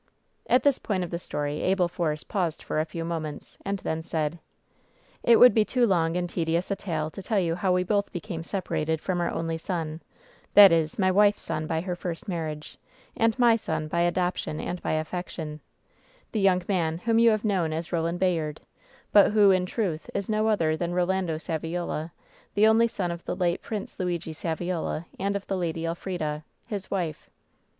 At this point of the story Abel Force paused for a few moments, and then said: ^^It would be too long and tedious a tale to tell you how we both became separated from our only son — ^that is, my wife's son by her first marriage, and my son by adoption and by affection — the young man whom you have known as Koland Bayard, but, who, in truth, is no other than Eolando Saviola, the only son of the late Prince Luigi Saviola and of the Lady Elfrida, his wife.